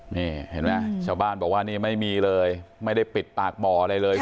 นี่เห็นไหมชาวบ้านบอกว่านี่ไม่มีเลยไม่ได้ปิดปากบ่ออะไรเลย